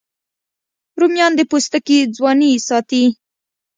رومیان د پوستکي ځواني ساتي